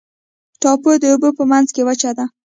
ټاپو د اوبو په منځ کې وچه ده.